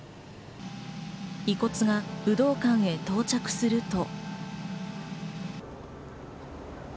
遺骨が武道館へ到着すると。